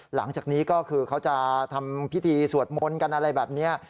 หลังจากนี้ก็คือเขาจะทำพิธีสวดมนต์กันอะไรแบบนี้